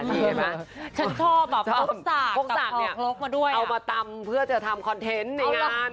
ฉันชอบครบสากเอามาตำไปทำคอนเทนต์ในงาน